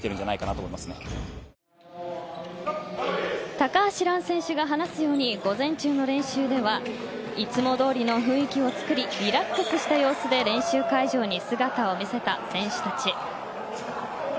高橋藍選手が話すように午前中の練習ではいつもどおりの雰囲気を作りリラックスした様子で練習会場に姿を見せた選手たち。